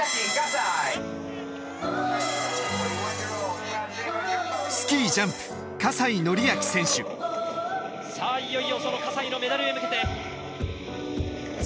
さあいよいよその西のメダルへ向けて。